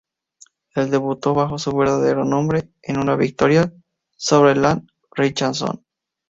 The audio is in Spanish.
Él debutó bajo su verdadero nombre en una victoria sobre Ian Richardson.